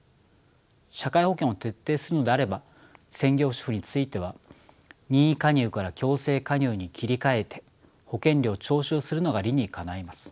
社会保険を徹底するのであれば専業主婦については任意加入から強制加入に切り換えて保険料を徴収するのが理にかないます。